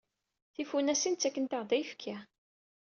Tifunasin ttakent-aɣ-d ayefki.